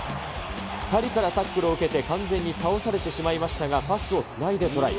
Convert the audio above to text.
２人からタックルを受けて完全に倒されてしまいましたが、パスをつないでトライ。